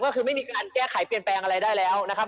ก็คือไม่มีการแก้ไขเปลี่ยนแปลงอะไรได้แล้วนะครับ